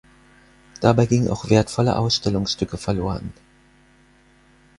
Dabei gingen auch wertvolle Ausstellungsstücke verloren.